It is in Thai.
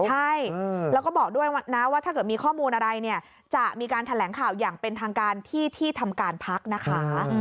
ใช่แล้วก็บอกด้วยนะว่าถ้าเกิดมีข้อมูลอะไรเนี่ยจะมีการแถลงข่าวอย่างเป็นทางการที่ที่ทำการพักนะคะ